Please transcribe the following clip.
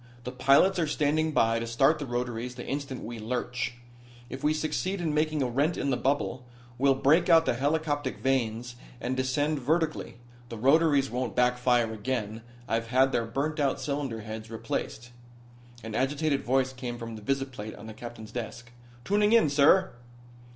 The pilots are standing by to start the rotaries the instant we lurch. If we succeed in making a rent in the bubble we'll break out the helicoptic vanes and descend vertically. The rotaries won't backfire again. I've had their burnt out cylinder heads replaced." An agitated voice came from the visiplate on the captain's desk: "Tuning in, sir."